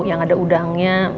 yang ada udangnya